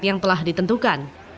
yang telah ditentukan